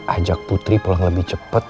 ajak putri pulang lebih cepat